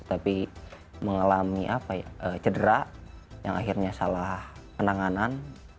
tapi mengalami cedera yang akhirnya salah penanganan